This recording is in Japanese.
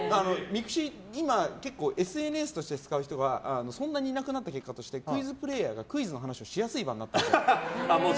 今、結構ＳＮＳとして使う人はそんなにいなくなった結果としてクイズプレーヤーがクイズの話をしやすい場なので。